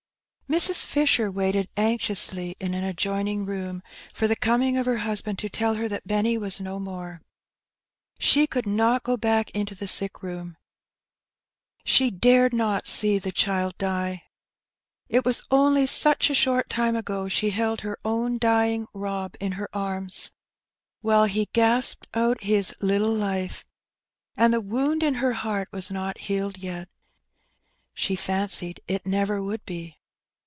Mrs. Fisheb waited anxiously in an adjoining room for the coming of her husband to tell her that Benny was no more. She could not go back into the sick room, she dared not see the child die. It was only such a short time ago she held her own dying Eob in her arms while he gasped out his little life, and the wound in her heart was not healed yet; she fancied it never would be.